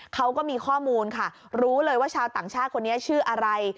เขาก็มีข้อมูลค่ะรู้เลยว่าชาวต่างชาติคนนี้ชื่ออะไร